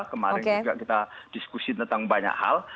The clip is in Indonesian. kemarin juga kita diskusi tentang banyak hal